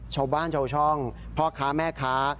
ชาวบ้านชาวช่องพ่อค้าแม่ค้า